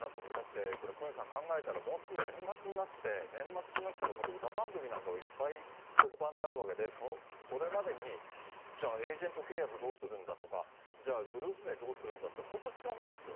だってこれ、小西さん、考えたらもうすぐ年末になって、年末になったら、今度歌番組なんかもいっぱい特番であるわけで、それまでに、じゃあ、エージェント契約どうするんだとか、じゃあ、グループ名どうするんだって、本当、時間ないですよ。